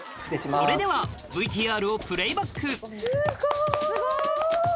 それではＶＴＲをプレーバックすごい！